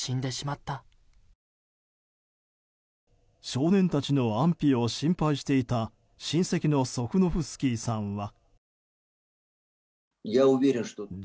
少年たちの安否を心配していた親戚のソフノフスキーさんは。